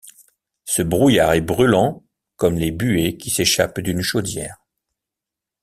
Ce brouillard est brûlant comme les buées qui s’échappent d’une chaudière.